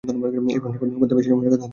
এটা প্রশ্নটা করতে বেশি সময় নেও না, তাই না?